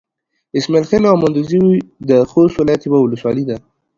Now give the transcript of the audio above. اسماعيل خېلو او مندوزي د خوست ولايت يوه ولسوالي ده.